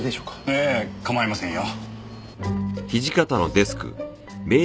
ええ構いませんよ。